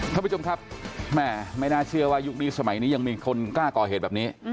ท่านผู้ชมครับแม่ไม่น่าเชื่อว่ายุคนี้สมัยนี้ยังมีคนกล้าก่อเหตุแบบนี้